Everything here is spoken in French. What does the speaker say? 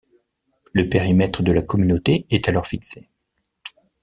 Le périmètre de la Communauté est alors fixé.